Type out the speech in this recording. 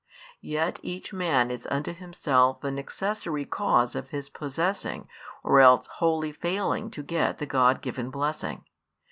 Yet each man is unto himself an accessory cause of his possessing or else wholly failing to get the God given blessing.